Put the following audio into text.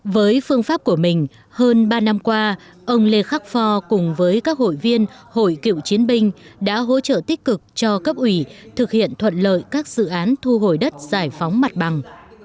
với phương pháp của mình hơn ba năm qua ông lê khắc phò cùng với các hội viên hội cựu chiến binh đã hỗ trợ tích cực cho cấp ủy thực hiện thuận lợi các dự án thu hồi đất giải phóng mặt bằng